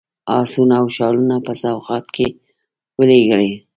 آسونه او شالونه په سوغات کې ولېږلي.